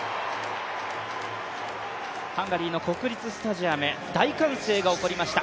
ハンガリーの国立スタジアム、大歓声が起こりました。